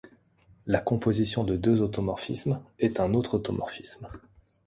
La composition de deux automorphismes est un autre automorphisme.